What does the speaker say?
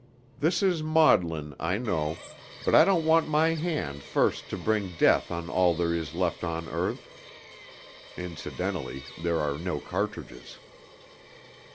This is maudlin, I know, but I don't want my hand first to bring death on all there is left of earth. Incidentally, there are no cartridges."